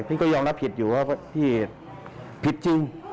พี่ก็ยอมรับผิดอยู่ว่าพี่ผิดจริง